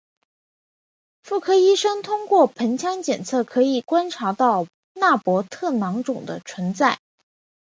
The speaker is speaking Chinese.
妇科医生通过盆腔检查可以观察到纳博特囊肿的存在。